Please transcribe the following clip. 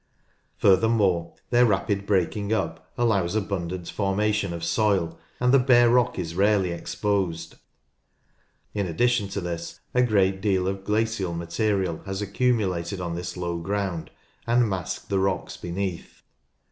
Furthermore, their rapid breaking up allows abundant formation of soil, and the bare rock is rarely exposed. In addition to this, a great deal of glacial material has accu mulated on this low ground, and masked the rocks beneath.